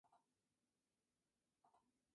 Ella se la pasa entre cócteles, reuniones y viajes.